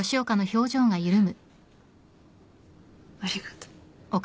ありがと。